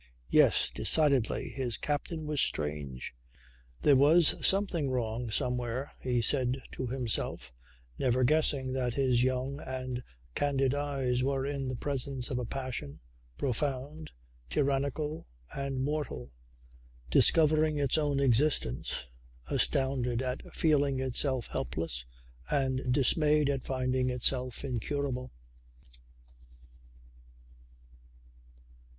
Yes, decidedly, his captain was "strange." There was something wrong somewhere, he said to himself, never guessing that his young and candid eyes were in the presence of a passion profound, tyrannical and mortal, discovering its own existence, astounded at feeling itself helpless and dismayed at finding itself incurable.